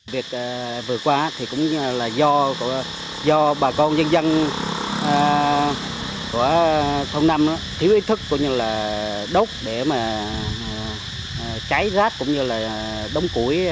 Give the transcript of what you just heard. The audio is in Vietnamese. việc vừa qua cũng là do bà con dân dân của thôn năm thiếu ý thức đốt để cháy rác cũng như đống củi